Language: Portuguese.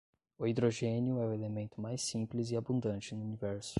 O hidrogénio é o elemento mais simples e abundante no universo.